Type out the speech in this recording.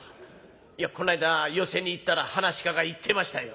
「いやこの間寄席に行ったら噺家が言ってましたよ。